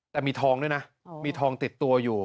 แต่มีทองด้วยนะมีทองติดตัวอยู่